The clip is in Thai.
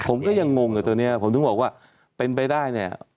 ผมก็ยังงงแบบนี้ผมถึงบอกว่าเป็นไปได้